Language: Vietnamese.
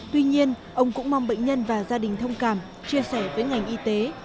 tuy nhiên ông cũng mong bệnh nhân và gia đình thông cảm chia sẻ với ngành y tế